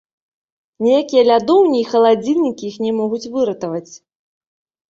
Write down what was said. Ніякія лядоўні і халадзільнікі іх не могуць выратаваць.